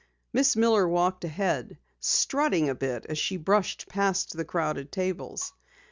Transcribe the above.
Miss Miller walked ahead, strutting a bit as she brushed past the crowded tables.